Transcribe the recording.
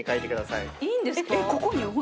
いいんですか？